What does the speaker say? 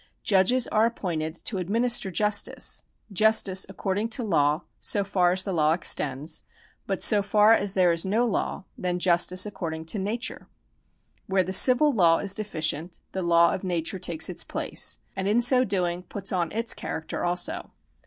Judges are appointed to administer justice — justice accord ing to law, so far as the law extends, but so far as there is no law, then justice according to nature. Where the civil law is deficient, the law of nature takes its place, and in so doing puts on its character also.